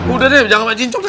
udah deh jangan pake cincok